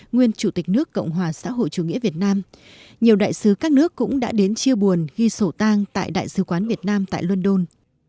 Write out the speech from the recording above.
nguyên chủ tịch nước cộng hòa xã hội chủ nghĩa việt nam nhiều đại sứ các nước cũng đã đến chia buồn ghi sổ tang tại đại sứ quán việt nam tại london